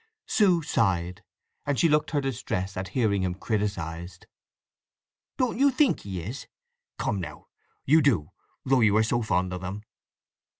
Sue sighed, and she looked her distress at hearing him criticized. "Don't you think he is? Come now; you do, though you are so fond of him!"